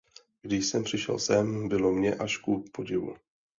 Když jsem přišel sem, bylo mně až ku podivu.